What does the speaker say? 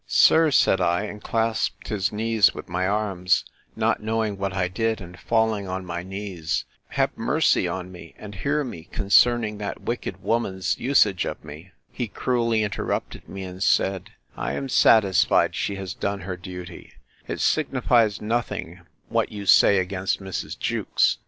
Sir, said I, and clasped his knees with my arms, not knowing what I did, and falling on my knees, Have mercy on me, and hear me, concerning that wicked woman's usage of me— He cruelly interrupted me, and said, I am satisfied she has done her duty: it signifies nothing what you say against Mrs. Jewkes.